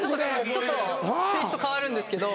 ちょっとテイスト変わるんですけど。